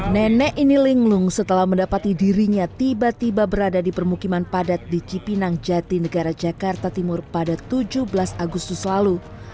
nenek ini linglung setelah mendapati dirinya tiba tiba berada di permukiman padat di cipinang jati negara jakarta timur pada tujuh belas agustus lalu